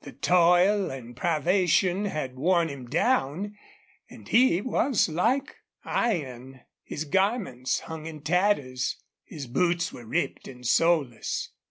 The toil and privation had worn him down and he was like iron. His garments hung in tatters; his boots were ripped and soleless.